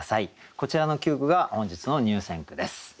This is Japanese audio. こちらの９句が本日の入選句です。